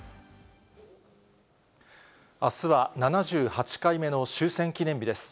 あすは７８回目の終戦記念日です。